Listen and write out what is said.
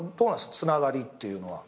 つながりっていうのは。